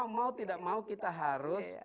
mau tidak mau kita harus